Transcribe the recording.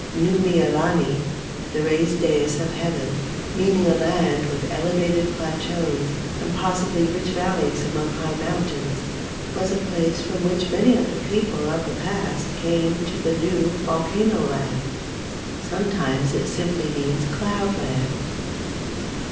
Nuu mea lani (the raised dais of heaven), meaning a land with elevated plateaus and possibly rich valleys among high mountains, was a place from which many of the people of the past came to the new volcano land. Sometimes it simply means "cloud land."